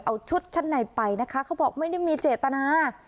เอาชุดชั้นในไปนะคะเขาบอกไม่ได้มีเจตนา